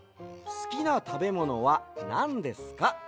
すきなたべものはなんですか？